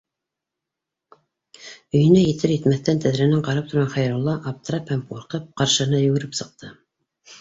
Өйөнә етер-етмәҫтән, тәҙрәнән ҡарап торған Хәйрулла, аптырап һәм ҡурҡып, ҡаршыһына йүгереп сыҡты